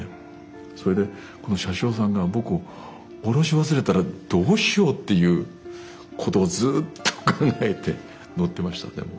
それでこの車掌さんが僕を降ろし忘れたらどうしようっていうことをずっと考えて乗ってましたでも。